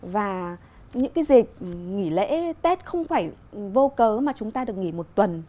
và những cái dịp nghỉ lễ tết không phải vô cớ mà chúng ta được nghỉ một tuần